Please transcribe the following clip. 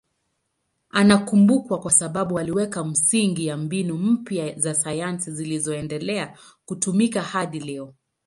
Anakumbukwa kwa sababu aliweka misingi ya mbinu mpya za sayansi zinazoendelea kutumika hadi leo.